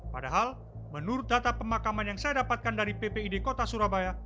padahal menurut data pemakaman yang saya dapatkan dari ppid kota surabaya